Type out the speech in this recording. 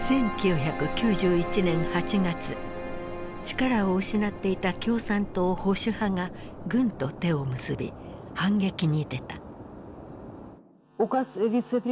力を失っていた共産党保守派が軍と手を結び反撃に出た。